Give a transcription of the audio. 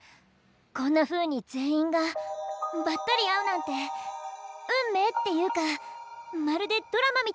こんなふうに全員がばったり会うなんて運命っていうかまるでドラマみたいです。